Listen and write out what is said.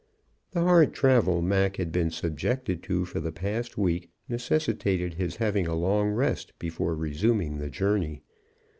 The hard travel Mac had been subjected to for the past week necessitated his having a long rest before resuming the journey.